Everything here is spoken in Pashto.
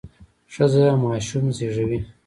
ښځه ماشوم زیږوي.